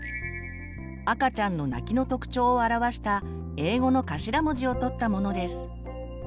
赤ちゃんの泣きの特徴を表した英語の頭文字を取ったものです。